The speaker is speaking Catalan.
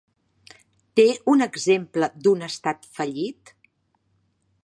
Té un exemple d'un estat fallit?